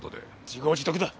自業自得だ。